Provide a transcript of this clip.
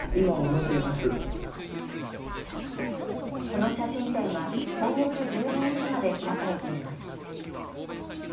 この写真展は今月１２日まで開かれています。